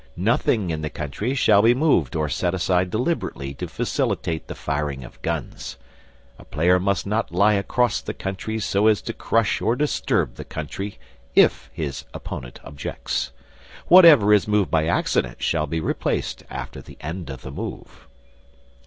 Nothing in the Country shall be moved or set aside deliberately to facilitate the firing of guns. A player must not lie across the Country so as to crush or disturb the Country if his opponent objects. Whatever is moved by accident shall be replaced after the end of the move.